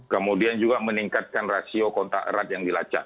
kemudian juga meningkatkan rasio kontak erat yang dilacak